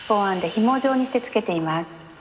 ひも状にしてつけています。